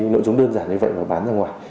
nội dung đơn giản như vậy và bán ra ngoài